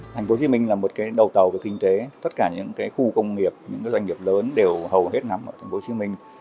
tp hcm là một đầu tàu của kinh tế tất cả những khu công nghiệp doanh nghiệp lớn đều hầu hết nắm ở tp hcm